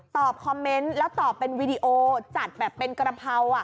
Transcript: คอมเมนต์แล้วตอบเป็นวีดีโอจัดแบบเป็นกระเพรา